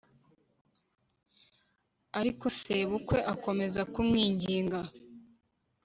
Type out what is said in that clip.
ariko sebukwe akomeza kumwinginga